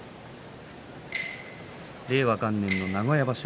令和元年の名古屋場所。